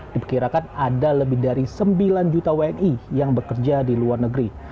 diperkirakan ada lebih dari sembilan juta wni yang bekerja di luar negeri